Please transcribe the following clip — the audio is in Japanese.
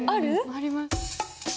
あります。